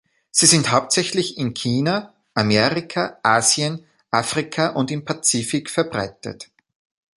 Sie sind hauptsächlich in China, Amerika, Asien, Afrika und im Pazifik verbreitet.